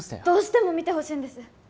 どうしても見てほしいんです！